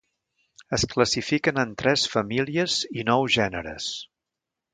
Es classifiquen en tres famílies i nou gèneres.